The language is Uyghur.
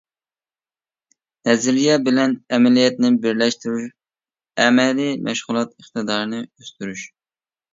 نەزەرىيە بىلەن ئەمەلىيەتنى بىرلەشتۈرۈپ ئەمەلىي مەشغۇلات ئىقتىدارىنى ئۆستۈرۈش.